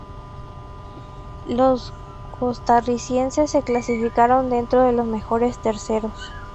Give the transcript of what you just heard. Los costarricenses se clasificaron dentro de los mejores terceros.